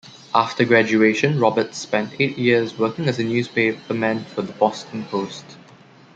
After graduation, Roberts spent eight years working as a newspaperman for the "Boston Post".